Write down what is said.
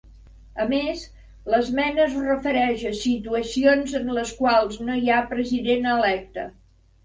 A més, l'esmena es refereix a situacions en les quals no hi ha president electe.